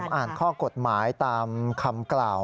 อ่านข้อกฎหมายตามคำกล่าว